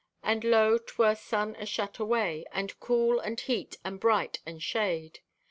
And lo, 'twer sun ashut away, and cool and heat and bright and shade.